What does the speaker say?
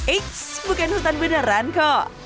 eits bukan hutan beneran kok